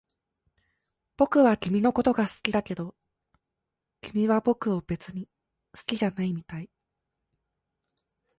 僕は君のことが好きだけど、君は僕を別に好きじゃないみたい